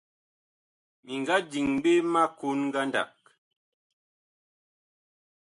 Mi nga diŋ ɓe ma kon ngandag.